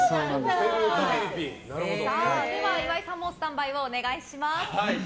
では、岩井さんもスタンバイをお願いします。